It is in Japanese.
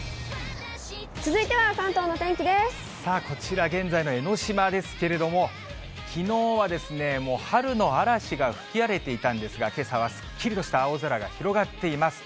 さあ、こちら、現在の江の島ですけれども、きのうはもう春の嵐が吹き荒れていたんですが、けさはすっきりとした青空が広がっています。